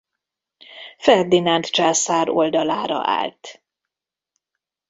Ferdinánd császár oldalára állt.